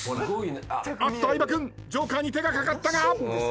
あっと相葉君ジョーカーに手がかかったが。